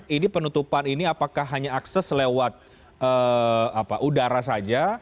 ini penutupan ini apakah hanya akses lewat udara saja